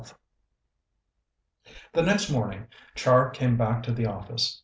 XII The next morning Char came back to the office.